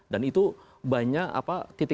dan itu banyak titik titik